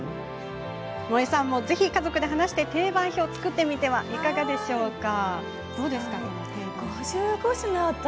もえさんも、ぜひご家族で話して定番表を作ってみてはいかがですか？